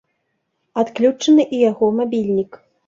Адключаны і яго мабільнік.